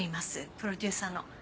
プロデューサーの。